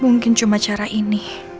mungkin cuma cara ini